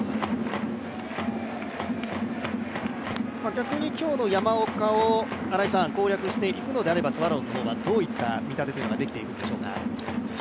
逆に攻略していくのであればスワローズはどういった見立てができているんでしょうか。